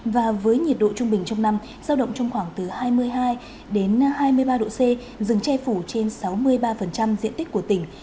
và với nhiệt độ trung bình trong năm giao động trong khoảng từ hai mươi hai đến hai mươi ba độ c rừng che phủ trên sáu mươi ba diện tích của tỉnh